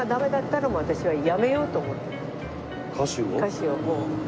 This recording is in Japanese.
歌手をもう。